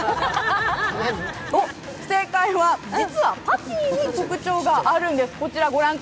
お、正解は実はパティーに特徴があるんです。